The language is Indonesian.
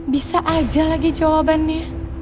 bisa aja lagi jawabannya